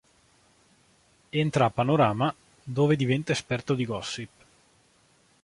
Entra a "Panorama", dove diventa esperto di gossip.